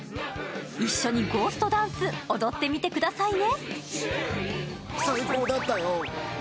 一緒にゴーストダンス、踊ってみてくださいね。